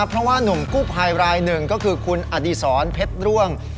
เพราะว่านุ่มกู้ภัยรายหนึ่งก็คือคุณอดีศรเพชรร่วง